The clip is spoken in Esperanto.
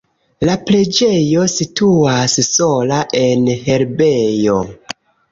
La preĝejo situas sola en herbejo.